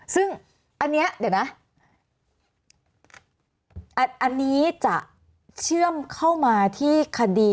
ซึ่งอันนี้เดี๋ยวนะอันนี้จะเชื่อมเข้ามาที่คดี